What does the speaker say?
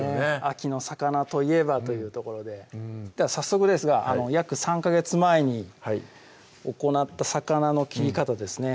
秋の魚といえばというところででは早速ですが約３ヵ月前に行った魚の切り方ですね